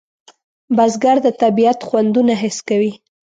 بزګر د طبیعت خوندونه حس کوي